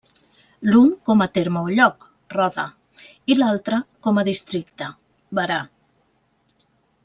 L'un com a terme o lloc —Roda— i l'altre com a districte —Berà—.